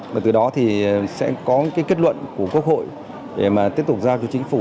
và từ đó thì sẽ có cái kết luận của quốc hội để mà tiếp tục giao cho chính phủ